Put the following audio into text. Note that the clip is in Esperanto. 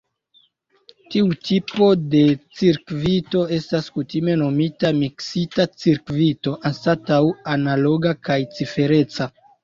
Tiu tipo de cirkvito estas kutime nomita "miksita cirkvito" anstataŭ "analoga kaj cifereca".